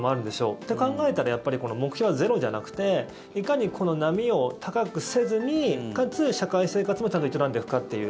って考えたら、やっぱり目標はゼロじゃなくていかに、この波を高くせずにかつ社会生活もちゃんと営んでいくかっていう。